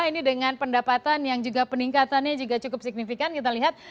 ini dengan pendapatan yang juga peningkatannya juga cukup signifikan kita lihat